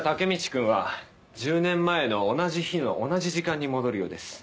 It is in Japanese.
君は１０年前の同じ日の同じ時間に戻るようです。